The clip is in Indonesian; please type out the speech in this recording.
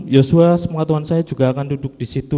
yosua semoga tuhan saya juga akan duduk disitu